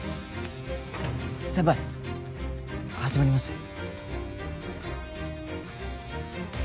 先輩始まりますよ。